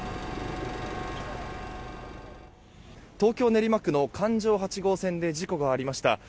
東京・練馬区の環状８号線で事故がありました。